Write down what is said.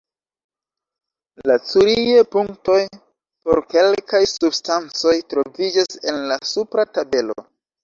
La Curie-punktoj por kelkaj substancoj troviĝas en la supra tabelo.